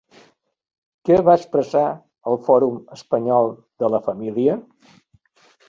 Què va expressar el Fòrum Espanyol de la Família?